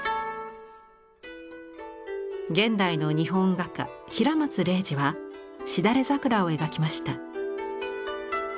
現代の日本画家平松礼二はしだれ桜を描きました。